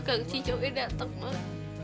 bang cicoknya datang mak